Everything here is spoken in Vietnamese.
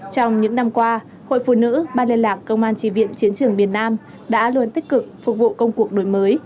trong những năm qua hội phụ nữ ban liên lạc công an tri viện chiến trường miền nam đã luôn tích cực phục vụ công cuộc đổi mới